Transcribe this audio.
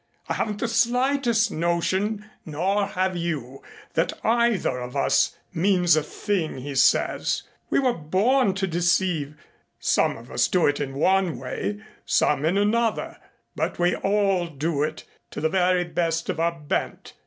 I haven't the slightest notion, nor have you, that either of us means a thing he says. We were all born to deceive some of us do it in one way, some in another, but we all do it to the very best of our bent.